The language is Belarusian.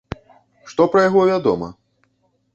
Што пра яго вядома?